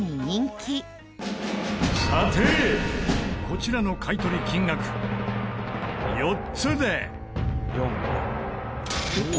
こちらの買い取り金額４つで。